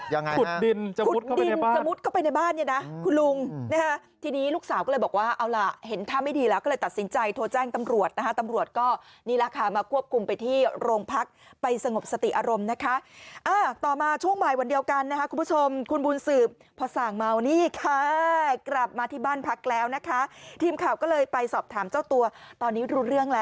ยังไงนะคุดดินจะมุดเข้าไปในบ้านคุณลุงคุณลุงคุณลุงคุณลุงคุณลุงคุณลุงคุณลุงคุณลุงคุณลุงคุณลุงคุณลุงคุณลุงคุณลุงคุณลุงคุณลุงคุณลุงคุณลุงคุณลุงคุณลุงคุณลุงคุณลุงคุณลุงคุณลุงคุณลุงคุณลุงคุณลุงคุณลุงคุณ